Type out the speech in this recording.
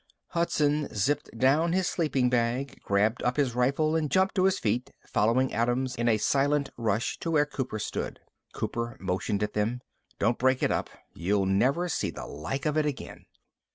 Hudson zipped down his sleeping bag, grabbed up his rifle and jumped to his feet, following Adams in a silent rush to where Cooper stood. Cooper motioned at them. "Don't break it up. You'll never see the like of it again."